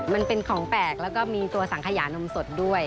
มันเป็นของแปลกแล้วก็มีตัวสังขยานมสดด้วย